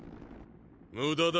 無駄だ。